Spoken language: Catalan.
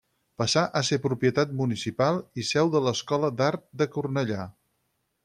Passà a ser propietat municipal i seu de l'Escola d'Art de Cornellà.